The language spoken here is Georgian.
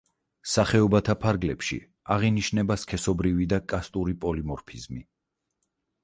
სახეობათა ფარგლებში აღინიშნება სქესობრივი და „კასტური“ პოლიმორფიზმი.